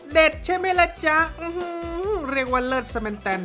เด็ดใช่มั้ยล่ะจ๊ะเรียกว่าเลิศสมันตัน